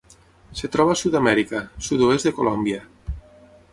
Es troba a Sud-amèrica: sud-oest de Colòmbia.